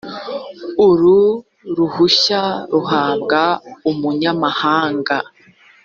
uru ruhushya ruhabwa umunyamahanga